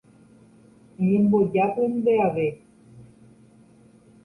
eñembojápy ndeave.